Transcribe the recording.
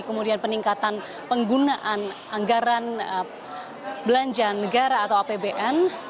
kemudian peningkatan penggunaan anggaran belanja negara atau apbn